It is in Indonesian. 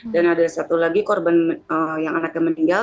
dan ada satu lagi korban yang anaknya meninggal